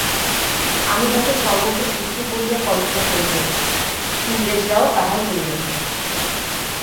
আমি হয়তো স্বর্গকে শুষ্ক বলিয়া কল্পনা করিব, ইংরেজরাও তাহাই করিবেন।